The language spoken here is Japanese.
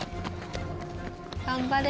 頑張れ！